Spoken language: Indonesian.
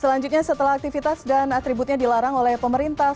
selanjutnya setelah aktivitas dan atributnya dilarang oleh pemerintah